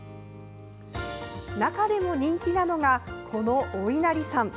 中でも人気なのがこのおいなりさん。